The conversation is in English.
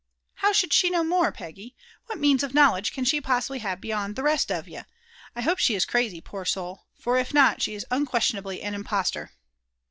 " How should she know more, Peggy? What means of knowledge can she possibly have beyond the rest of ye? I hope she is crazy, poor soul ! for if not, she is unquestionably an impostor."